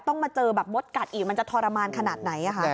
มาเจอแบบมดกัดอีกมันจะทรมานขนาดไหน